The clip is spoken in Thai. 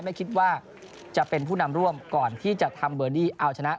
ไม่คิดว่าจะเป็นผู้นำร่วมก่อนที่จะทำเบอร์ดี้เอาชนะ